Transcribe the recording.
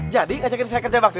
jadi ajakin saya kerja waktu